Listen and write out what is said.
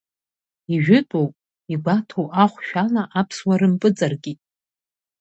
Ижәытәу, игәаҭоу ахәшә ала Аԥсуа рымпыҵаркит.